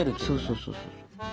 そうそうそう。